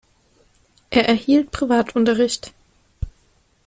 Er erhielt Privatunterricht.